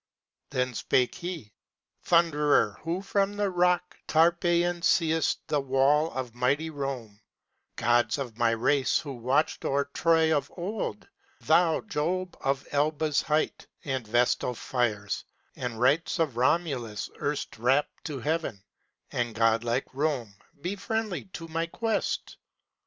Then spake he, "Thunderer, who from the rock Tarpeian seest the wall of mighty Rome; Gods of my race who watched o'er Troy of old; Thou Jove of Alba's height, and Vestal fires, And rites of Romulus erst rapt to heaven, And God like Rome; be friendly to my quest.